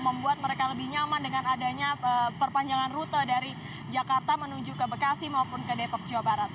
membuat mereka lebih nyaman dengan adanya perpanjangan rute dari jakarta menuju ke bekasi maupun ke depok jawa barat